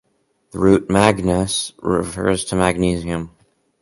The root 'magnes' refers to magnesium.